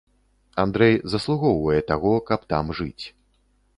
Андрэй заслугоўвае таго, каб там жыць.